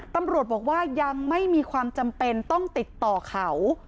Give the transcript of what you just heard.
ตำรวจบอกว่ายังไม่มีความจำเป็นต้องติดต่อเขา